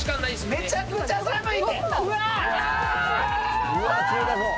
めちゃくちゃ寒い。